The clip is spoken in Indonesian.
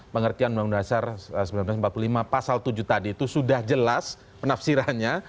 pengertian undang undang dasar seribu sembilan ratus empat puluh lima pasal tujuh tadi itu sudah jelas penafsirannya